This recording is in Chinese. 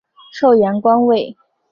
授盐官尉。